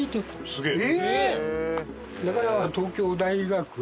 すげえ！